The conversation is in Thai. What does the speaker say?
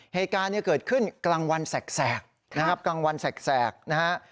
เหตุการณ์เนี่ยเกิดขึ้นกลางวันแสกนะครับกลางวันแสกนะฮะ